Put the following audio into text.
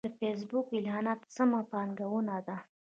د فېسبوک اعلانات سمه پانګونه ده.